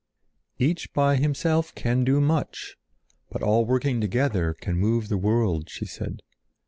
"Each by himself can do much, but all working together can move the world," she said.